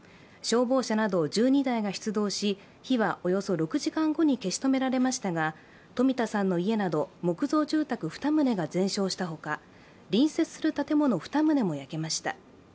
消防車など１２台が出動し火はおよそ６時間後に消し止められましたが、冨田さんの家など木造住宅２棟が全焼したほか、隣接する建物２棟も焼けました。